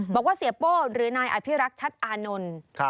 บอกว่าเสียโป้หรือนายอภิรักษ์ชัดอานนท์